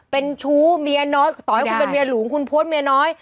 เป็นชู้เมียน้อยต่อให้คุณเป็นเมียหลวงคุณโพสต์เมียน้อย